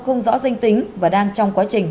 không rõ danh tính và đang trong quá trình